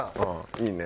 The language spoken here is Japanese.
いいね。